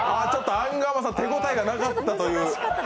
アンガマさん、手応えがなかったという。